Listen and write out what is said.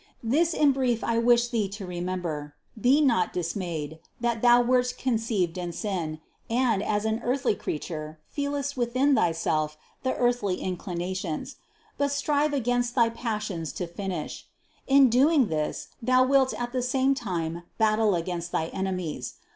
This in brief I wish thee to remember; be not dismayed, that thou wert conceived in sin, and, as an earthly creature, feelest within thyself the earthly inclinations ; but strive against thy passions to a finish. In doing this thou wilt at the same time battle against thy enemies.